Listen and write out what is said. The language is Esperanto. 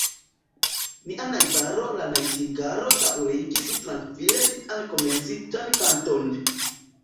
Nia najbaro la najtingalo daŭrigis trankvile sian komencitan kanton.